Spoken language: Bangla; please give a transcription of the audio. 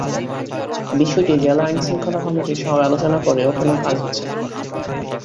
বিষয়টি জেলা আইনশৃঙ্খলা কমিটির সভায় আলোচনা করেও কোনো কাজ হচ্ছে না।